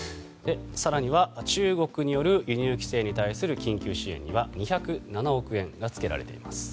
更には中国による輸入規制に対する緊急支援に２０７億円がつけられています。